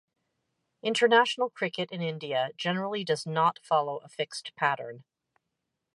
International cricket in India generally does not follow a fixed pattern.